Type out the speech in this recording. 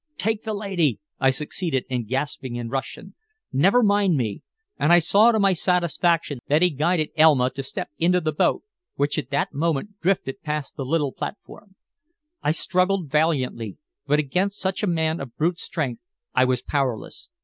"Take the lady!" I succeeded in gasping in Russian. "Never mind me," and I saw to my satisfaction that he guided Elma to step into the boat, which at that moment drifted past the little platform. I struggled valiantly, but against such a man of brute strength I was powerless.